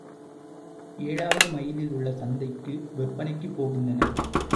ஏழாவது மைலில் உள்ள சந்தைக்கு விற்பனைக்குப் போகின்றன.